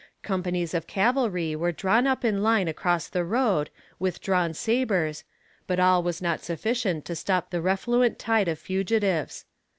Companies of cavalry were drawn up in line across the road, with drawn sabers, but all was not sufficient to stop the refluent tide of fugitives.